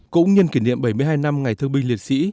cũng nhân kỷ niệm bảy mươi hai năm ngày thương binh liệt sĩ